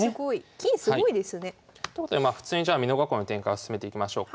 金すごいですね。ということで普通にじゃあ美濃囲いの展開を進めていきましょうか。